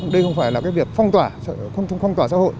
đây không phải là cái việc phong tỏa không phong tỏa xã hội